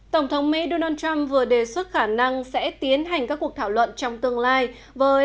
tổng thống mỹ donald trump vừa đề xuất khả năng sẽ tiến hành các cuộc thảo luận trong tương lai với